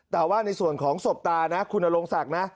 แต่ว่าในส่วนของศพตานะคุณนรงศักดิ์นะ